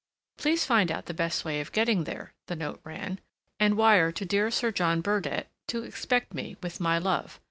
"Please find out the best way of getting there," the note ran, "and wire to dear Sir John Burdett to expect me, with my love.